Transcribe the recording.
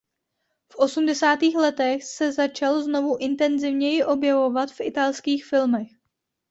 V osmdesátých letech se začal znovu intenzivněji objevovat v italských filmech.